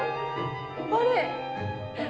あれ？